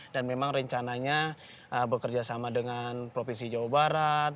dan memang rencananya bekerja sama dengan provinsi jawa barat